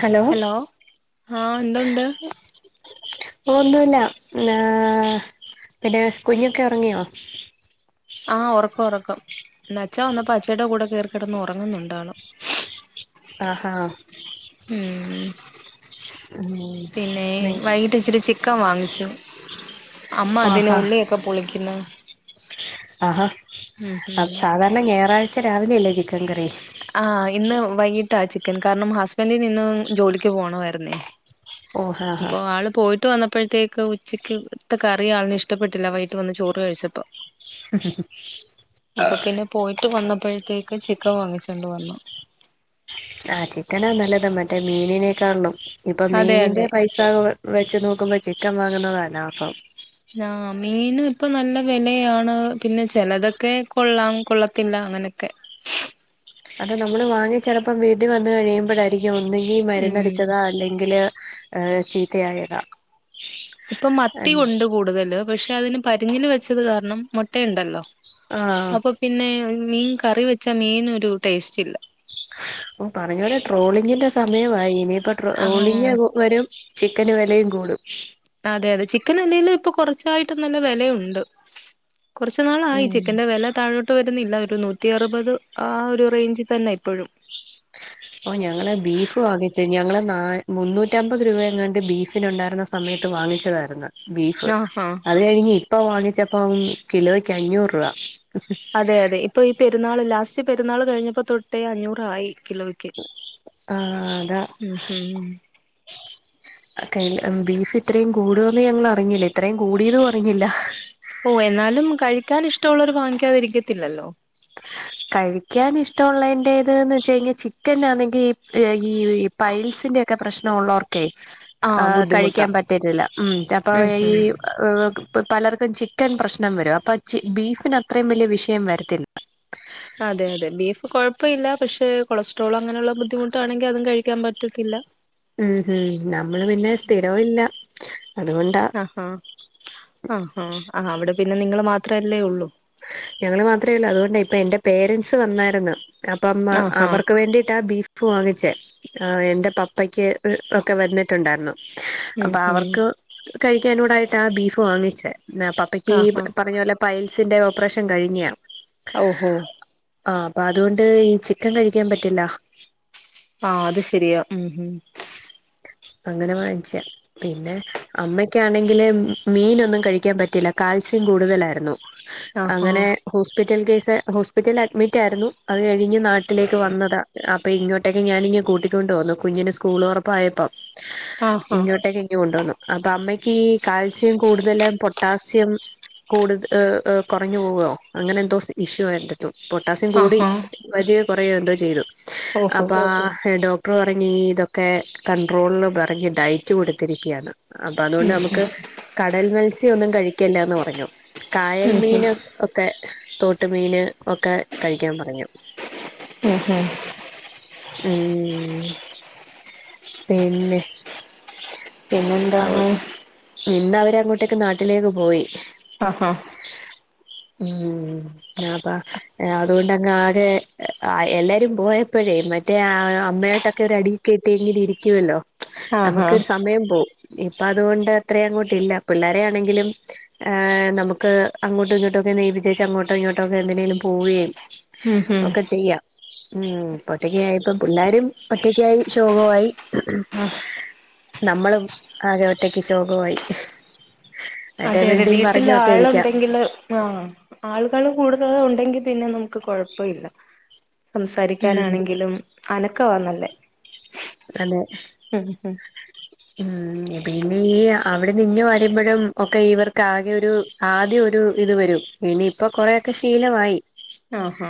Hello ആഹ് എന്തുണ്ട് ഒന്നുല്ല പിന്നെ കുഞ്ഞൊക്കെ ഉറങ്ങിയോ? ആഹ് ഉറക്ക ഉറക്കം ന്നച്ചാ വന്നപ്പോ അച്ചേയുടെ കൂടെ കേറിക്കിടന്ന് ഉറങ്ങുന്നുണ്ടാണം. ആഹ് ഹാ ഉം. ഉം പിന്നെ മെ- വൈകിട്ട് ഇച്ചിരി ചിക്കൻ വാങ്ങിച്ചു. അമ്മ അതിൻ ആഹാ ഉള്ളിയൊക്കെ പൊളിക്കുന്നു- ആഹാ ഉം ഉം ആഹ് സാധാരണ ഞായറാഴ്ച രാവിലെ അല്ലേ ചിക്കൻ കറി? ആഹ് ഇന്ന് വൈകിട്ടാ ചിക്കൻ കാരണം ഹസ്ബൻഡിനിന്ന് ജോലിക്ക് പോകണമായിരുന്നേ [inaudible] ഹാ അപ്പൊ ആള് പോയിട്ട് വന്നപ്പോഴത്തേ ക്ക് ഉച്ചകത്തെ കറി ആളിൻ ഇഷ്ടപ്പെട്ടില്ല വൈിട്ട് വന്ന് ചോറ് കഴിച്ചപ്പോ- ആഹ് - പിന്നെ പോയിട്ട് വന്നപ്പോഴത്തേക്ക് ചിക്കൻ വാങ്ങിച്ചൊണ്ട് വന്നു. ആഹ് ചിക്കൻ നല്ലത മറ്റേ മീനിനേക്കാ ഉള്ളും, ഇപ്പൊ അതെ മീനിന്റെ അതെ പൈസ സാ വെച്ച് നോക്കുമ്പോ ചിക്കൻ വാങ്ങുന്നതാ ലാഭം. ആഹ് മീൻ ഇപ്പൊ നല്ല വിലയാണ് പിന്നെ ചിലതൊക്കെ കൊള്ളാം കൊള്ളത്തില്ല അങ്ങനൊക്കെ [inaudible] അത നമ്മള് വാങ്ങി ചെലപ്പം വീട്ടി വന്ന് കഴിയുമ്പോഴായിരിക്കും ഒന്നുങ്കി ഉം മരുന്നടിച്ചതാ അല്ലേ ങ്കിൽ ചീത്തയായത- ഇപ്പൊ മത്തി ഉണ്ട് കൂടുതല് പക്ഷെ അതിന് പരിഞ്ഞിന് വെച്ചത് കാരണം മുട്ടയുണ്ടല്ലോ. ആ അപ്പൊ പിന്നെ മീൻ കറി വെച്ചാ മീൻ ഒരു ടേസ്റ്റ് ഇല്ല. ഓ പറഞ്ഞ പോലെ ട്രോളിങ്ങിന്റെ സമയമായി ഇനിയിപ്പോ ആ ട്രോളിംഗ് വരും- ചിക്കന് വെലയും കൂടും. അതെ അതെ ചിക്കൻ അല്ലെലേ ഇപ്പൊ കൊറച്ചായിട്ടും നല്ല വെലയുണ്ട്. കുറച്ച് നാളായി ഉം ചിക്കൻന്റെ വെല താഴോ ട്ട് വരുന്നില്ല ഒരു നൂറ്റി അറുപത് ആഹ് ഒരു റേഞ്ച്ൽ തന്നെ ഇപ്പഴും- [inaudible] ഓ ഞങ്ങള് ബീഫ് വാങ്ങിച്ചേ. ഞങ്ങള് ന മൂന്നൂറ്റമ്പത് രൂപ എങ്ങണ്ട് ബീഫിനുണ്ടായിരുന്ന, സമയത്ത് വാങ്ങിച്ചതായിര്ന്ന് ബീഫ്. ആ ഹാ അത് കഴിഞ്ഞ് ഇപ്പ വാങ്ങിച്ചപ്പം കിലോയ്ക്ക് അഞ്ഞൂറ് രൂപ. അതെ അതെ ഇപ്പ ഈ പെര്നാള്, ലാസ്റ്റ് പെരുന്നാള് കഴിഞ്ഞപ്പോ തൊട്ടേ അഞ്ഞൂറായി കിലോ ക്ക്. ആ അതാ മ് ഹും. കയ്യില് ഉം ബീഫ് ഇത്രേം കൂടോന്ന് ഞങ്ങൾ അറിഞ്ഞില്ല. ഇത്രയും കൂടിയതും അറിഞ്ഞില്ല. ഓ എന്നാലും കഴിക്കാൻ ഇഷ്ടള്ളോര് വാങ്ങിക്കാതിരിക്കത്തില്ലല്ലോ. കഴിക്കാൻ ഇഷ്ടൊള്ളേന്റെത് ന്ന് വെച്ച് കഴിഞ്ഞാൽ ചിക്കനാണെങ്കി ഈ പൈൽസിന്റെ ഒക്കെ പ്രശ്നൊള്ളോർ ക്കെ ആ ആഹ് ബുദ്ധിമുട്ടാ കഴിക്കാൻ പറ്റത്തില്ല. ഉം അപ്പ ഉം ഈ ഉം പലർക്കും ചിക്കൻ പ്രശ്നം വരും. അപ്പ ബീഫിന് അത്രയും വലിയ വിഷയം വരത്തില്ല. അതെ അതെ ബീഫ് കൊഴപ്പില്ല. പക്ഷെ കൊളസ്ട്രോൾ അങ്ങനെയുള്ള ബുദ്ധിമുട്ടാണെങ്കിൽ അതും കഴിക്കാൻ പറ്റത്തില്ല. മ് ഹും നമ്മള് പിന്നെ സ്ഥിരോയില്ല അതുകൊണ്ടാ. ഹാ ആഹ് ആ അവിടെ പിന്നെ നിങ്ങള് മാത്രല്ലേ ഒള്ളൂ. ഞങ്ങള് മാത്രേ അല്ല അതുകൊണ്ട്‌ ഇപ്പ എന്റെ പേരൻറ്സ് വന്നായിരുന്ന്. അപ്പം ആഹാ അവർക്ക് വേണ്ടിട്ടാ ബീ ഫ് വാങ്ങിച്ചേ. എന്റെ പപ്പയ്ക്ക് ഒക്കെ വന്നിട്ടുണ്ടായിരുന്നു. ഉം അപ്പ ഉം അവർക്ക് കഴിക്കാനൂടായിട്ടാ ബീഫ് വാങ്ങിച്ചേ. പ പ്പയ്ക്ക് ഈ ആഹാ പറഞ്ഞ പോലെ പൈൽസിന്റെ ഓപ്പറേഷൻ കഴിഞ്ഞിയാ. ഓഹോ. ആ അപ്പ അതുകൊണ്ട് ഈ ചിക്കൻ കഴിക്കാൻ പറ്റില്ല. ആ അത് ശരിയാ. മ് ഹും. അങ്ങനെ വാങ്ങിച്ചാ. പിന്നെ അമ്മക്കാണെങ്കില് മീനൊന്നും കഴിക്കാൻ പറ്റില്ല, കാൽസ്യം കൂടുതലായിരുന്നു. ആഹാ അങ്ങനെ ഹോസ്പിറ്റൽ കേസ്, ഹോസ്പിറ്റൽ അഡ്മിറ്റ് ആയിരുന്നു. അത് കഴിഞ്ഞ് നാട്ടിലേക്ക് വന്നതാ. അപ്പൊ ഇങ്ങോട്ടേക്കെ ഞാനിങ്ങ് കൂട്ടിക്കൊണ്ട് വന്നു. കുഞ്ഞിന് സ് കൂള് തൊറപ്പായപ്പം ആഹാ ഇങ്ങോട്ടേക്ക് ഇങ്ങ് കൊണ്ടുവന്നു. അപ്പ അമ്മയ്ക്ക് കാൽസ്യം കൂടുതലും പൊട്ടാസ്യം കൂട് ഏഹ് കൊറഞ്ഞു പോവോ അങ്ങനെ എന്തോ ഇഷ്യു [unintelligible] പൊട്ടാസ്യം കൂടി ആഹാ [unintelligible] കൊറയോ എന്തോ ചെയ്തു. ഓഹോ അപ്പാ ഡോ ക്ടർ പറഞ്ഞീ ഇതൊക്കെ കണ്ടട്രോള് പറഞ്ഞ് ഡയറ്റ് കൊടുത്തിരിക്ക‌യാണ്. അപ്പ അതുകൊണ്ട് നമുക്ക് കടൽ മത്സ്യം ഒന്നും കഴിക്കില്ലന്ന് പറഞ്ഞു. കായൽ ഉം ഉം മീന് ഒക്കെ തോട്ട് മീൻ ഒക്കെ കഴിക്കാൻ പറഞ്ഞു. മ് ഹ്. ഉം പിന്നെ, പിന്നെന്താണ്, പിന്നെ അവരങ്ങോട്ടേക്ക് നാട്ടിലേക്ക് പോയി. ആഹാ. ഉം ഞാ പ്പ അതുകൊണ്ടങ്ങ് ആകെ എല്ലാരും പോയപ്പോഴേ മ റ്റേ ആ അമ്മയാട്ടൊക്കെ ഒരു അടികെയിട്ടിരിക്കുവല്ലോ ആഹാ നമുക്ക് ഒരു സമയം പോവും. ഇപ്പ അതുകൊണ്ട് അത്രയും അങ്ങോട്ട ഇല്ല. പിള്ളേരെ ആണെങ്കിലും, ഏഹ് നമുക്ക് അങ്ങോട്ടും ഇങ്ങോട്ടൊക്കെ ഒന്നേപ്പിചേച്ച് അങ്ങോട്ടോ ഇങ്ങോട്ടോക്കെ എന്തിനേലും പോവേം, ഉം ഉം ഒക്കെ ചെയ്യാം. ഉം ഒറ്റക്കായി പ്പ പിള്ളാരും ഒറ്റക്കായി ശോകവായി. നമ്മളും ആകെ ഒറ്റക്ക് ശോകവായി. അതെ അതെ വീട്ടില് ആളുണ്ടെങ്കില്, ആ ആളുകള് കൂടുതല് ഉണ്ടെങ്കി പിന്നെ നമുക്ക് കൊഴപ്പില്ല. ഉം സംസാരിക്കാനാണെങ്കിലും അനക്കവാന്നല്ലേ. അതെ. ഉം പിന്നെ ഈ അവിടെന്ന് ഇങ്ങ് വരുമ്പഴും ഒക്കെ ഇവർക്ക് ആകെ ഒരു, ആദ്യം ഒരു ഇത് വരും ഇനിയിപ്പൊ കൊരെയോക്കെ ശീലമായി ആ ഹാ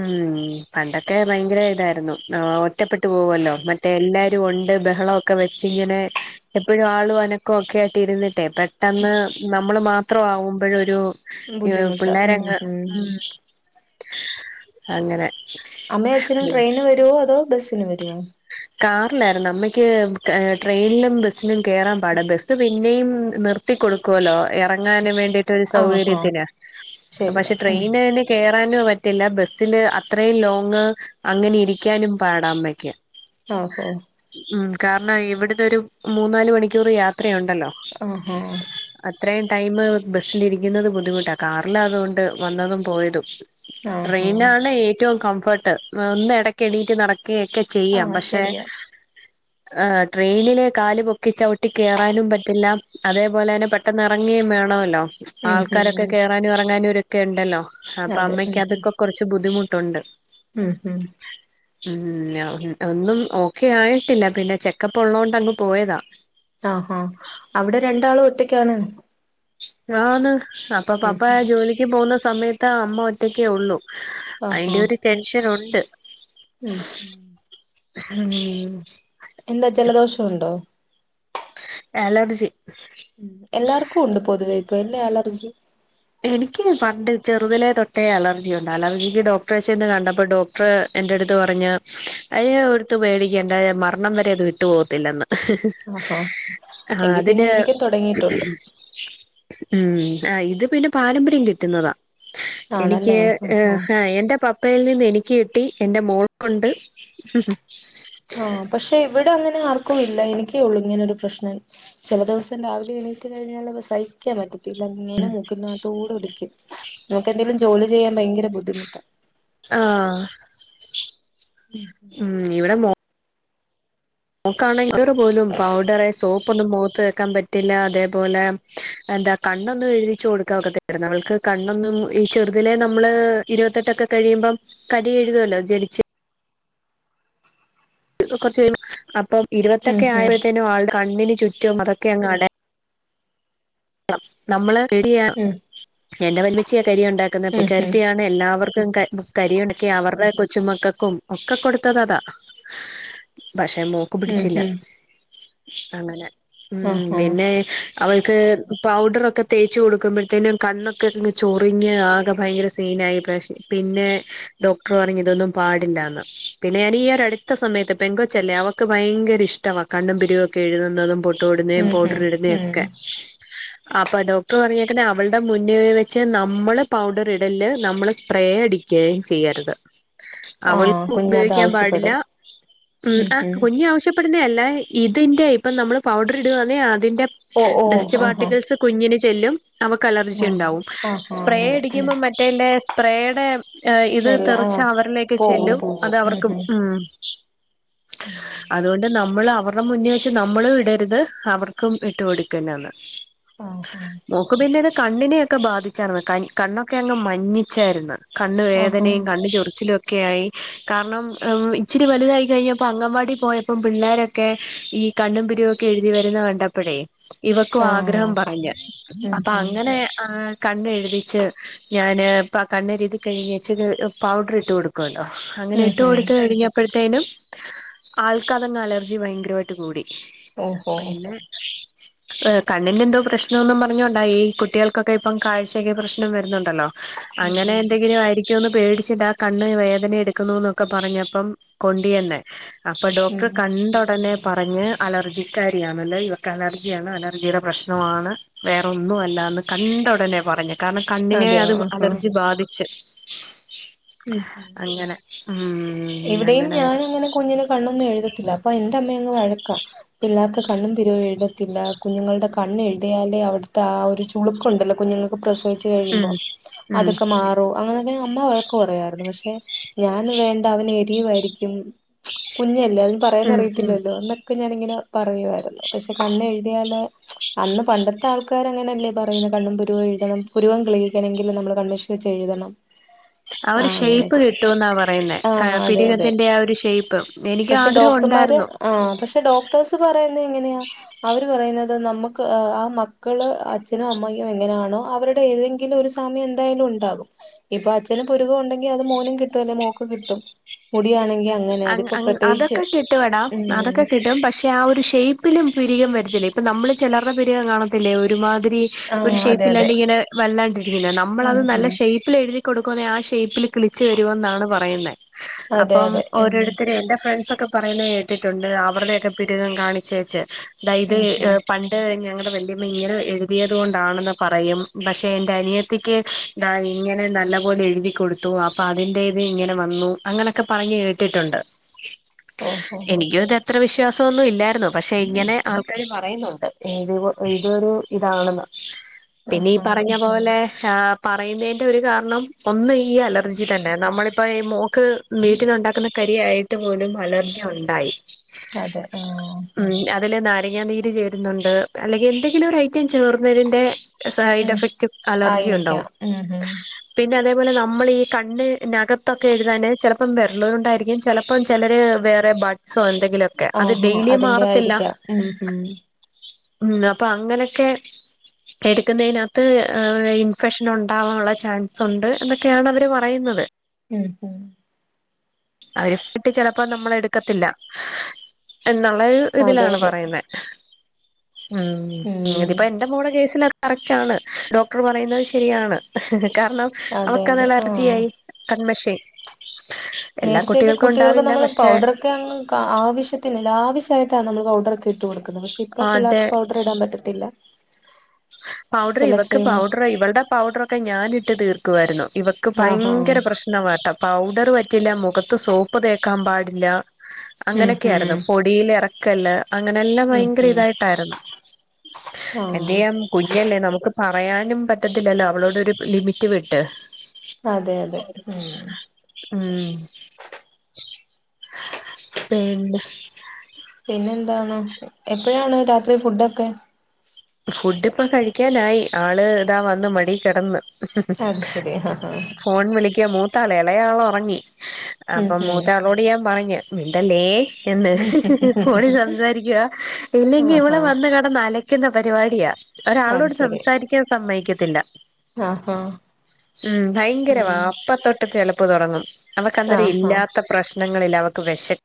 ഉം പണ്ടൊക്കെ ഭയങ്കര ഇതായിരുന്നു ഒറ്റപ്പെട്ട് പോവുംല്ലോ എല്ലാരും ഒണ്ട് ബഹളൊക്കെ വെച്ച് ഇങ്ങനെ എപ്പോഴും ആളും അനക്കോം ഒക്കെ ആയിട്ട് ഇരുന്നിട്ട് ട്ടെ പെട്ടെന്ന് നമ്മള് മാത്രം ആവുമ്പോഴൊരു ബുദ്ധിമുട്ടാ ഉം പിള്ളോരെങ്ങ് ഉം അങ്ങനെ അമ്മയും അച്ഛനും ട്രെയിന് വരുവോ അതോ ബസ്സിന് വരുവോ കാറിലായിരുന്നു അമ്മക്ക് ട്രെയിനിലും ബസ്സിലും കേറാൻ പാടാ ബസ്സ് പിന്നെയും നിർ ർത്തി കൊടുക്കുവല്ലോ ഇറങ്ങാന് വേണ്ടിട്ട് ഒരു ആഹാ സൗകര്യത്തിന് ശരിയാ പക്ഷെ ഉം ട്രെയിനിന് കേറാനോ പറ്റില്ല ബസ്സില് അത്രയും ലോങ് അങ്ങനെ ഇരിക്കാനും പാടാ അമ്മക്ക് ഓഹോ മം കാരണം ഇവിടന്നോരു മൂന്നാല് മണിക്കൂറ് യാത്രയുണ്ടല്ലോ ആ ഹാ അത്രയും ടൈമ് ബസ്സിലിരിക്കുന്നത് ബുദ്ധിമുട്ടാ കാറിലാവുന്നതുകൊണ്ട് വന്നതും പോയതും ആഹാ ട്രെയിനാണ് ഏറ്റവും കംഫർട്ട് ഒന്ന് എടക്ക് എണീറ്റ് നടക്കുകയൊക്കെ ചെയ്യാം ആഹ് പക്ഷെ ശരിയാ ആ ട്രെയിനില് കാല് പൊക്കി ചവിട്ടി കേറാനും പറ്റില്ല അതേപോലെ തന്നെ പെ ട്ടെന്ന് എറങ്ങേയും വേണല്ലോ ഉം ആൾക്കാരൊക്കെ ഉം കേറാനും എറങ്ങാനുംരൊക്കെ ണ്ടല്ലോ അപ്പൊ അതെ ഉം അമ്മയ്ക്ക് ഉം അതൊക്കെ കൊറച്ച് ബുദ്ധിമുട്ടുണ്ട് ഉം ഉം ഉം ഒന്നും ഓക്കെ ആയിട്ടില്ല പിന്നെ ചെക്കപ്പ് ഒള്ളൊണ്ടങ്ങ് പോയതാ ആ ഹാ അവിടെ രണ്ടാളും ഒറ്റക്കാണ് ആ ന്ന് അപ്പോ ഉം പപ്പ ഉം ജോലിക്ക് പോവുന്ന സമയത്ത് അമ്മ ഒറ്റക്കേ ഒള്ളു അയ്ന്റെ ആഹാ ഒരു ടെൻഷനൊണ്ട് ഉം എന്താ ജലദോഷണ്ടോ അലർജി എല്ലാർക്കുംണ്ട് പൊതുവെ ഇപ്പൊ ല്ലേ അലർജി എനിക്ക് പണ്ട് ചെറുതിലെ തൊട്ടേ അലർജിയുണ്ട് അലർജിക്ക് ഡോക്ടേറേ ചെന്ന് കണ്ടപ്പോ ഡോ ക്ടർ എന്റെടുത്ത് പറഞ്ഞ് അയെനെ ഓർത്തു പേടിക്കേണ്ട മരണം വരെ അത് വിട്ടു പോകത്തില്ലന്ന് ആഹാ ആ എങ്കി പിന്നെ അതിന് എനിക്കും തുടങ്ങിയിട്ടുണ്ട് ഉം ഇത് പിന്നെ പാരമ്പര്യം കിട്ടുന്നതാ എനിക്ക് ആണല്ലേ ഏ ആഹാ ഹേ എന്റെ പപ്പ പ്പയിൽന്ന് എനിക്ക് കിട്ടി എന്റെ മോൾക്കുണ്ട് ആ പക്ഷെ ഇവിടെ അങ്ങനെ ആർക്കും ഇല്ല എനിക്കേള്ളൂ ഇങ്ങനൊരു പ്രശ്നം ചെല ദിവസം രാവിലെ എണീറ്റ് കഴിഞ്ഞാലെ സൈ ക്കാൻ പറ്റത്തില്ല ഇങ്ങനെ മൂക്കിനകത്തൂടെ ഒലിക്കും നമുക്കെന്തേലും ജോലി ചെയ്യാൻ ഭയങ്കര ബുദ്ധിമുട്ടാ ആ ഉം ഇവിടെ മോൾ മോൾക്കണെങ്കില് പോലും പൗഡറ് സോപ്പോന്നും മുഖത്ത് തെക്കാൻ പറ്റില്ല അതേപോലെ എന്താ കണ്ണൊന്നും എഴുതിച്ചു കൊടുക്കാ ഒക്കത്തി പിന്നെ നമ്മക്ക് കണ്ണൊന്നും ഈ ചെറുതിലെ നമ്മള് ഇരുപത്തെട്ടൊക്കെ കഴിയുമ്പം കരി എഴുതുവല്ലോ ജനിച്ച് കൊറച്ച് കഴിയുസം അപ്പൊ ഉം ഇരുപത്തൊട്ട് ആയ്പഴത്തേനും ആൾ കണ്ണിന് ചുറ്റും അതൊക്കെ അടയാ നമ്മള് എടിയ ഉം എന്റെ വല്യമ്മച്ചിയ കരി ഉണ്ടാക്കുന്നത് പുള്ളി ഉം കാരത്തിയാ എല്ലാവർക്കും കരി ഉണക്കി അവരുടെ കൊച്ചുമക്കൾക്കും ഒക്കെ കൊടുത്തത്താ പക്ഷെമോ ഉം ഉം ഉം അവൾക്ക്പിടിച്ചില്ല ഉം അങ്ങനെ ഉ ആഹാ പിന്നെ അവൾക്ക് പൗഡറൊക്കെ തേച്ചു കൊടുക്കുമ്പോഴത്തേനും കണ്ണൊക്കെയങ്ങ് ചൊറിഞ്ഞ് ആകെ ഭയങ്കര സീനായി ഈ പ്രവിശ്യം. പിന്നെ. ഡോക്ടർ പറഞ്ഞു ഇതൊന്നും പാടില്ലാന്ന് പിന്നെ ഞാൻ ഈ ഒര് അടുത്ത സമയത്ത് പെങ്കൊച്ചല്ലേ അവക്ക് ഭയങ്കര ഇഷ്ടവാ. കണ്ണും പിരിവൊക്കെ എഴുതുന്നതും പൊട്ട് തൊടുന്നേ ഉം ഉം പൗഡർ ഇടുന്നേ ഒക്കെ. ഉം അപ്പോൾ ഡോക്ടർ പറഞ്ഞേക്കണെ അവളുടെ മുന്നേ വെച്ച് നമ്മള് പൗഡർ ഇടല്ല് നമ്മള് സ്പ്രേ അടി ക്കേയേ ചെയ്യരുത്. ആഹ് അവൾക്ക് കുഞ്ഞത് ഉപയോഗിക്കാൻ പാടില്ല ആവശ്യപ്പെടും ഉം ആഹ് ഉം കുഞ്ഞ് ആവശ്യ ടുന്ന അല്ല ഇതിന്റെ ഇപ്പം നമ്മള് പൗഡർ ഇടുവാന്നേ അതിന്റെ. ഓഹ് ഓഹ് ഡസ്റ്റ് ആഹ് ആഹ്. പാർട്ടിക്കിൾസ് കുഞ്ഞിന് ചെല്ലും അവക്ക് അലർജി ഉണ്ടാവും ആഹാ സ്പ്രേ അങ്ങനെ ഉം അടിക്കുമ്പം മറ്റേ മറ്റേയിന്റെ സ്പ്രേയുടെ ഇത് സ്മെല്ല് തെറിച്ച് ആഹ് അവരിലേക്ക് പോകും ചെല്ലും പോകും അത് ഉം അവർക്ക് ഉം. അതുകൊണ്ട്. നമ്മള് അവരുടെ മുന്നേ വെച്ച് നമ്മള് ഇടരുത് അവർക്കും ഇട്ട് കൊടക്കുരുതെന്ന്. ആഹാ മോക്ക് ശരി പിന്നെ ഇത് കണ്ണിനെയൊക്കെ ബാധിച്ചാരുന്നു കണ്ണൊക്കെ അങ്ങ് മഞ്ഞിച്ചാരുന്നു. കണ്ണ് ആഹാ വേദനയും, കണ്ണു ചൊറിച്ചിലും ഒ ഒക്കെ ആയി കാരണം ഇച്ചിരി വലുതായി കഴിഞ്ഞപ്പോ അംഗൻവാടി പോയപ്പോം പിള്ളോരൊ രൊക്കെ ഈ കണ്ണും, പിരികോം ഒക്കെ എഴുതി വരുന്ന കണ്ടപ്പോഴേ ഇവക്കും ആഹ് ആഗ്രഹം പറഞ്ഞു ഉം അപ്പൊ ഉം അങ്ങനെ ഉം ആഹ്. കണ്ണ് എഴുതിച്ച് ഞാന് കണ്ണ് എഴുതി കഴിഞ്ഞേച്ച് ഞാന് പൗഡർ ഇട്ട് കൊടുക്കും. ട്ടോ അങ്ങനെ ഇട്ട് ഉം കൊടുത്ത് കഴിഞ്ഞപ്പോ അപ്പോഴത്തേനും ആൾക്ക് അതങ്ങ് അലർജി ഭയങ്കരമായിട്ട് കൂടി. ഓഹോ പിന്നെ പെ കണ്ണിന്റെ എന്തോ പ്രശ്നം എന്നു പറഞ്ഞു കൊണ്ടാ ഈ കുട്ടികൾക്കൊക്കെ ഇപ്പം കാഴ്ചയ്ക്ക് പ്രശ്നം വരുന്നുണ്ടല്ലോ. ഉം അങ്ങനെ ഉം എന്തെങ്കിലും ആരിക്കു ന്ന് പേടിച്ചിട്ടാ ആഹ് കണ്ണ് വേദന എടുക്കുന്നുന്നൊക്കെ പറഞ്ഞപ്പം കൊണ്ട് ചെന്നെ. അപ്പൊ ഡോക്ടർ ഉം കണ്ട ഉടനെ പറഞ്ഞ്. അലർജിക്കാരി ആണല്ലേ ഇവക്ക് അലർജിയാണ് അലർജിടെ പ്രശ്നമാണ് വേറൊന്നും അല്ല എന്ന് കണ്ട ഉടനെ പറഞ്ഞ്. കാരണം കണ്ണിനെ അതെയോ അത് ആഹാ അലർജി ബാധിച്ച്. ഉം അങ്ങനെ ഉം ഇവിടെയും ഞാൻ അങ്ങനെയായത്. അങ്ങനെ കുഞ്ഞിന് കണ്ണൊന്നും എഴുതത്തില്ല അപ്പൊ എന്റെ അമ്മയങ്ങ് വഴക്കാ. പിള്ളേർക്ക് കണ്ണും, പിരികവും എഴുതത്തില്ല കുഞ്ഞുങ്ങളുടെ കണ്ണ് എഴുതിയാലേ അവിടുത്തെ ആഹ് ഒരു. മോളുക്കുണ്ടല്ലോ കുഞ്ഞങ്ങൾക്ക് പ്രസവിച്ച ച്ച് ഉം കഴിയുമ്പോ ഉം അതൊക്കെ മാറും അങ്ങനൊക്കെ അമ്മ വഴക്കുപറയുവാരുന്നു പക്ഷെ ഞാൻ വേ ണ്ട അവന് എരിയുവായിരിക്കും കുഞ്ഞല്ലേ അതിന് പറയാൻ ഉം ഉം അറിയത്തില്ലല്ലോ എന്ന ഒക്കെ ഞാനിങ്ങനെ പറയുമായിരുന്നു പക്ഷെ കണ്ണ് എഴുതിയാല് അന്ന് പണ്ടത്തെ ആൾ ക്കാര് അങ്ങനെയല്ലേ പറയുന്നത് കണ്ണും, പുരുകവും എഴുതണം പുരുവം കിളിയിക്കണമെങ്കിൽ നമ്മള് കണ്ണ്മഷി വച്ച് എഴുതണം. ആ അവര് ഷേപ്പ് അങ്ങനൊക്കെ കിട്ടും എന്നാ പറയുന്നേ. ആ അതെ അതെ പിരികത്തിന്റെ ആഹ് ഒരു ഷേപ്പ് എനിക്ക് ആഗ്രഹം ഉണ്ടായിരുന്നു. ആഹ് പക്ഷെ ഡോക് ടേഴ്സ് പറയുന്നത് എങ്ങനെയാ. അവര് പറയുന്നത് നമ്മുക്ക് ആഹ് മക്കള് അച്ഛനും അമ്മയും എങ്ങനെയാണോ അവരുടെ ഏതെങ്കിലും. ഒരുസാമ്യം എന്തായാലും ഉണ്ടാകും ഇപ്പൊ അച്ഛന് പുരുകം ഉണ്ടെങ്കി അത് മോനും കിട്ടുവല്ലോ മോക്ക് ക്കും കിട്ടും മുടി ആണെങ്കി അത്. അങ്ങ അങ്ങ് അതൊക്കെ കിട്ടും എടാ ഉം അതൊക്കെ കിട്ടും പക്ഷെ. ആഹ് ഒരു ഷേയ്പ്പിലും പിരികം വരത്തില്ലേ ഇപ്പൊ നമ്മള് ചിലരടെ പിരികം കാണത്തില്ലേ ഒരുമാതിരി. ആ ഒരു അതെ അതെ ഷേയ്പ്പില്ലാണ്ട് ഇങ്ങനെ വല്ലാണ്ടിരിക്കുന്നേ നമ്മള് അത് ഉം നല്ല ഉം ഷേയ് പ്പിൽ എഴുതി കൊടുക്കുവാന്നെ ആഹ് ഷേയ്പ്പിൽ കിളിച്ച് വരുവെന്നാണ് പറയുന്നെ. അതെ അതെ ഉം ഓരോരുത്തും എന്റെ ഫ്രണ്ട്സ് ഒക്കെ പറയുന്ന കേട്ടിട്ടൊണ്ട് അവരുടെക്കെ പിരികം കാണിച്ച് വച്ച് അതായത് ഉം ഉം പണി ഞങ്ങളുടെ വല്യമ്മ ഇങ്ങനെ എഴുതിയത് കൊണ്ടാണെന്ന് പറയും പക്ഷെ എന്റെ അനിയത്തിക്ക് ദാ ഇങ്ങനെ നല്ല പോലെ എഴുതി കൊടുത്തു അപ്പൊ അതിന്റേത് ഇങ്ങനെ വന്നു അങ്ങനൊക്കെ പറഞ്ഞ് കേ ട്ടിട്ടൊണ്ട് ഓഹോ എനിക്കും ഇത് അത്ര വിശ്വാസോന്നും ഇല്ലാരുന്നു പക്ഷെ ഇങ്ങനെ ആൾക്കാര് പറയുന്നൊണ്ട് ഇത് ഇതൊരു ഇതാണെന്ന് പിന്നെ ഈ ആഹാ പറഞ്ഞ പോലെ പറയുന്നതിന്റെ ഒരു കാരണം ഒന്ന് ഈ അലർജി തന്നെ നമ്മളിപ്പോ ഈ മോക്ക് വീട്ടിലൊണ്ടാക്കുന്ന കരി ആയിട്ട് പോലും അലർജി ഒണ്ടായി അതെ ആ ഉം അതില് നാരങ്ങ നീര് ണ്ട് അല്ലെങ്കി എന്തെങ്കിലും ഒരു ഐറ്റം ചേർന്നതിന്റെ സൈഡ് ഉം എഫക്റ്റ് അലർജി ആയിരിക്കാം ഒണ്ടാവും ഉം ഉം പിന്നെ അതേപോലെ നമ്മൾ ഈ കണ്ണ് നകത്തൊക്കെ എഴുതാന് ചെലപ്പം വെരലൂണ്ടായിരിക്കും ചെലപ്പോം ചെലര് വേറെ ബട്സോ എന്തെങ്കിലുംക്കെ അത് ആഹാ ഡെയ്ലി അതിന്റെ മാറത്തില്ല ആയിരിക്കാം ഉം ഉം ഉം അപ്പ അങ്ങനക്കെ എടുക്കുന്നതിനത്ത് ഇൻഫെക്ഷൻ ഉണ്ടാവാനുള്ള ചാൻസ് ഒണ്ട് എന്നൊക്കെയാണ് അവര് പറയുന്നത് ഉം ഉം അവരി [unintelligible] ചെ ലപ്പോ നമ്മള് എടുക്കത്തില്ല എന്നുള്ള ഒരു അതെ ഇതിലാണ് അതെ പറയുന്നെ ഉം ഉം ഇതിപ്പ എന്റെ മോട കേസില കറക്റ്റ് ആണ് ഡോക്ടർ പറയുന്നത് ശരിയാണ് കാരണം അതെ അവർക്ക് അത് അതെ ആഹ് അലർജിയായി കണ്മഷി നേരത്തെക്കെ കുട്ടികൾക്ക് ഉണ്ടാവില്ല നമ്മള് പക്ഷെ പൗഡർ ക്ക ആവശ്യത്തിന് ലാവിഷാ യിട്ടാണ് നമ്മൾ പൗഡർ ഒക്കെ ഇട്ട് കൊടുക്കുന്നത് പക്ഷെ ഇപ്പ അത് പിള്ളാർക്ക് പൗഡറ് ടാൻ പറ്റത്തില്ല പൗഡർ ചില ഇവക്ക് ക്രീം പൗഡർ ഇവൾടെ പൗഡറൊക്കെ ഞാനിട്ട് തീർക്കുവാരുന്നു ഇവ ആഹാ ഭയങ്കര പ്രശ്നവാട്ട പൗഡർ പറ്റില്ല മുഖത്ത് സോപ്പ് തേക്കാൻ പാടില്ല ഉം അങ്ങനക്കെയാരുന്നു ഉം പൊടിയിൽ എറക്കല്ല് അങ്ങനെ എല്ലാം ഉം ഭയങ്കര ഉം ഇതായിട്ടായിരുന്നു എന്ത് ആഹ് ചെയ്യാം കുഞ്ഞല്ലേ നമുക്ക് പറയാനും പറ്റത്തില്ലല്ലോ അവളോട് ഒരു ലിമിറ്റ് വിട്ട് അതെ അതെ ഉം ഉം പിന്നെ പിന്നെന്താണ് എപ്പഴാണ് രാത്രി ഫുഡൊക്കെ ഫുഡ് ഇപ്പ കഴിക്കാനായി ആള് ഇതാ വന്ന് മടി കെടന്ന് അത് ശരി ആഹാ ഫോൺ വിളിക്കാമോ ത്താള എളേയാള് ഒറങ്ങി ഉം അപ്പം ഉം മൂത്ത ആളോട് ഞാൻ പറഞ്ഞ് മിണ്ടല്ലേ എന്ന് ഫോണി സംസാരിക്കുവാ ഇല്ലെങ്കി ഇവള് ആഹാ വന്ന് കെടന്ന് അലക്കുന്ന പരിപാടിയാ അത് ഒരാളോട് ശരി സംസാരിക്കാൻ സമ്മതിക്കത്തില്ല ആഹാ ഉം ഭയങ്കരവാ ഉം അപ്പത്തൊട്ട് ട്ട് ചെലപ്പ് തൊടങ്ങും അവക്ക് അന്നേരം ആഹാ ഇല്ലാത്ത പ്രശ്നങ്ങളില്ല അവക്ക് വെശ